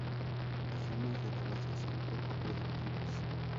Las yemas de la base son poco productivas.